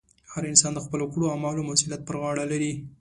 هر انسان د خپلو کړو اعمالو مسؤلیت پر غاړه لري.